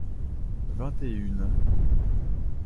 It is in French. Vingt et une.